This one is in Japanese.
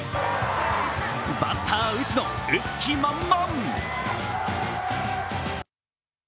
バッター・打野打つ気満々！